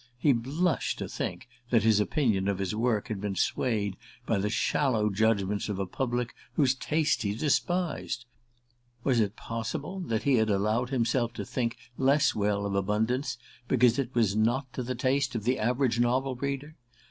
He blushed to think that his opinion of his work had been swayed by the shallow judgments of a public whose taste he despised. Was it possible that he had allowed himself to think less well of "Abundance" because it was not to the taste of the average novel reader?